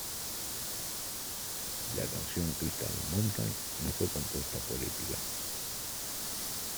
La canción "Crystal Mountain" no fue compuesta por Epica.